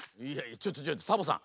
ちょっとちょっとサボさん。